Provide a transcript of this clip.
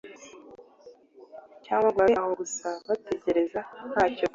cyangwa ngo babe aho gusa bategereze ntacyo bakora.